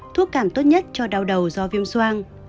thuốc cảm tốt nhất cho đau đầu do viêm soang